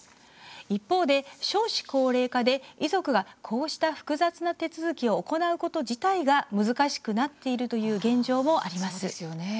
一方で、少子高齢化で遺族がこうした複雑な手続きを行うこと自体が難しくなっているという現状もあります。